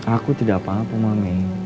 aku tidak apa apa mami